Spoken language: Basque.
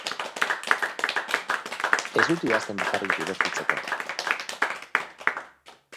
Ez dut idazten bakarrik dibertitzeko.